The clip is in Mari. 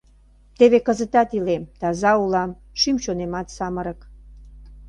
Теве кызытат илем, таза улам, шӱм-чонемат самырык.